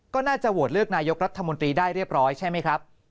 ก็น่าจะโหวตเลือกนายกรัฐมนตรีได้เรียบร้อยใช่ไหมครับ